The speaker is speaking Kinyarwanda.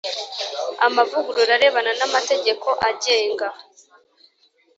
amavugurura arebana n amategeko agenga